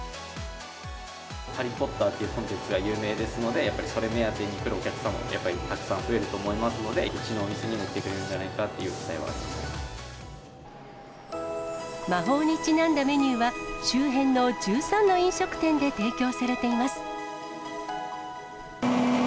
ハリー・ポッターっていうコンテンツが有名ですので、やっぱり、それ目当てに来るお客様も、やっぱりたくさん増えると思いますので、うちのお店にも来てくれるんじゃないかという期待はあり魔法にちなんだメニューは、周辺の１３の飲食店で提供されています。